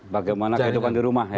bagaimana kehidupan di rumah ya